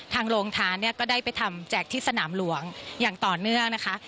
ทางโรงทานเนี่ยก็ได้ไปทำแจกที่สนามหลวงอย่างต่อเนื่องนะคะ